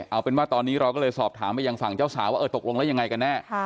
เอาเป็นว่าตอนนี้เราก็เลยสอบถามไปยังฝั่งเจ้าสาวว่าเออตกลงแล้วยังไงกันแน่